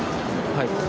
はい。